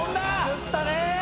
打ったね！